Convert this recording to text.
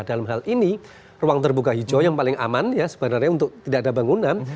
dalam hal ini ruang terbuka hijau yang paling aman ya sebenarnya untuk tidak ada bangunan